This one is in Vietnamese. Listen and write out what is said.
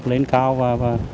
lên cao và